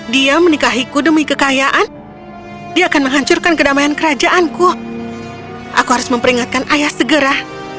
dia menikahiku demi kekayaan dia akan menghancurkan kedamaian kerajaanku aku harus memperingatkan ayah segera